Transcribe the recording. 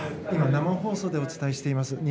今、生放送でお伝えしています。